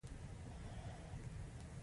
د فزیک خوب د ټولو تیوريو یوځای کول دي.